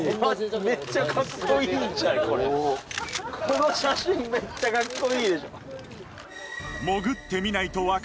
この写真めっちゃかっこいいでしょ。